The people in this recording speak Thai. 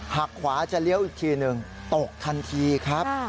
หากขวาจะเลี้ยวอีกทีหนึ่งตกทันทีครับ